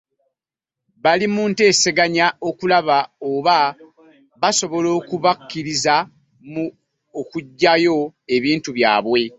Bali mu nteeseganya okulaba oba basobola okubakkiriza mu okuggyayo ebintu byabwe